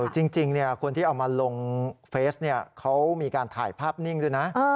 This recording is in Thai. จริงจริงเนี่ยคุณที่เอามาลงเฟซเนี่ยเขามีการถ่ายภาพนิ่งด้วยนะ